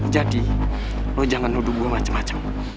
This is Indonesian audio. jadi lo jangan nuduh gue macam macam